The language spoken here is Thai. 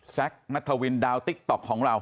แซคนัทวินดาวติ๊กต๊อกของเรา